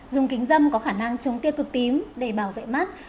dùng kính dâm có khả năng chống tiêu cực tím để bảo vệ mắt